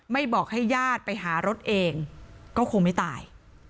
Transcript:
บอกให้ญาติไปหารถเองก็คงไม่ตาย